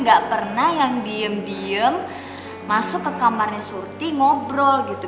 gak pernah yang diem diem masuk ke kamarnya surti ngobrol gitu